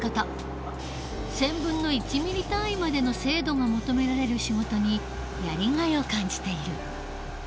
１０００分の１ミリ単位までの精度が求められる仕事にやりがいを感じている。